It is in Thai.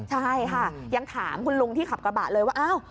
ใช่ค่ะยังถามคุณลุงที่ขับกระบะเลยว่าอ้าว